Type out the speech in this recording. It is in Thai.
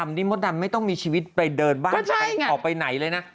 นี่มดดำไม่ต้องมีชีวิตไปเดินบ้านใครออกไปไหนเลยนะ